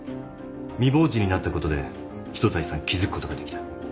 未亡人になったことで一財産築くことができた。